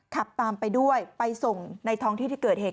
ขับตามไปด้วยไปส่งในท้องที่ที่เกิดเหตุ